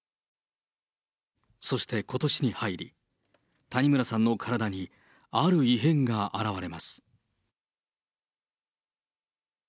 そしてことしに入り、谷村さんの体にある異変が現れます。